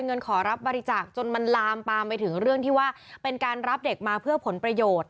ขอรับบริจาคจนมันลามปามไปถึงเรื่องที่ว่าเป็นการรับเด็กมาเพื่อผลประโยชน์